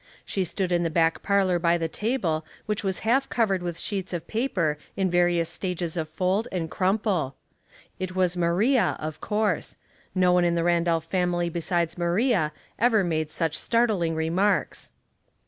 She stood in the back par lor by the table which was half covered with sheets of paper in various stages of fold and crumple. It was Maria, of course ; no one in the Randolph family besides Maria ever made such startling remarks.